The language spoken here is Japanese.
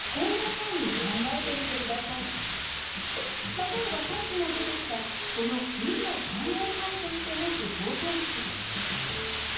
例えばさっきも出てきたこの２と３を解として持つ方程式。